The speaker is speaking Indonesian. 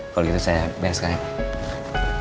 kalau gitu saya bereskan ya pak